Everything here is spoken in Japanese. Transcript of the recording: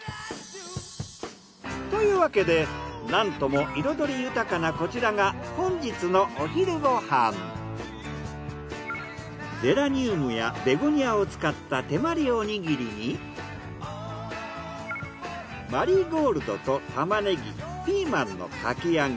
というわけでなんとも彩り豊かなこちらが本日のゼラニウムやベゴニアを使った手まりおにぎりにマリーゴールドと玉ねぎピーマンのかき揚げ。